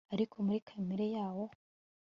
ariko muri kamere yawo